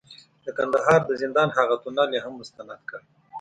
د کندهار د زندان هغه تونل یې هم مستند کړ،